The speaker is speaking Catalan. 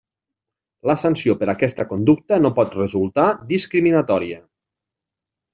La sanció per aquesta conducta no pot resultar discriminatòria.